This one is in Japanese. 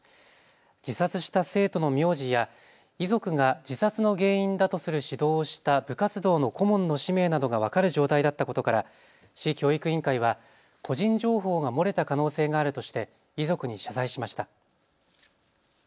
自殺した生徒の名字や遺族が自殺の原因だとする指導をした部活動の顧問の氏名などが分かる状態だったことから市教育委員会は個人情報が漏れた可能性があるとして遺族に謝罪しました。